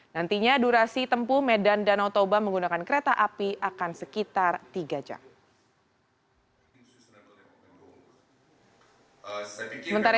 nantinya durasi tempuh medan danau toba menggunakan kereta api akan sekitar tiga jam